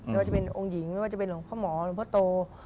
ไม่ว่าจะเป็นองค์หญิงไม่ว่าจะเป็นหลวงพ่อหมอหลวงพ่อโต